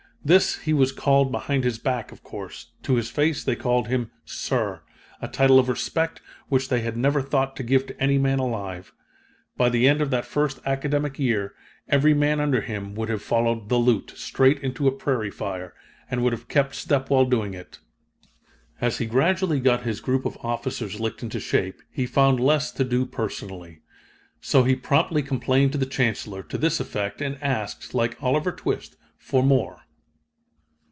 This he was called behind his back, of course. To his face they called him 'sir,' a title of respect which they had never thought to give to any man alive. "By the end of that first academic year every man under him would have followed 'the Lieut.' straight into a prairie fire, and would have kept step while doing it." As he gradually got his group of officers licked into shape, he found less to do personally. So he promptly complained to the Chancellor, to this effect, and asked, like Oliver Twist, for more.